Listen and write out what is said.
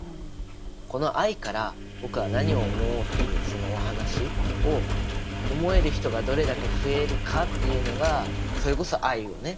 この愛から僕は何を思おうっていうそのお話を思える人がどれだけ増えるかっていうのがそれこそ愛をね